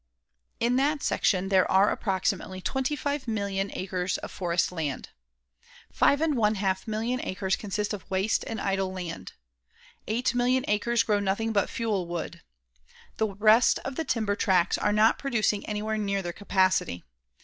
In that section there are approximately 25,000,000 acres of forest lands. Five and one half million acres consist of waste and idle land. Eight million acres grow nothing but fuel wood. The rest of the timber tracts are not producing anywhere near their capacity.